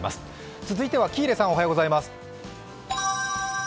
続いては喜入さん、おはようございます。